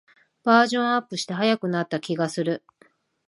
バージョンアップして速くなった気がする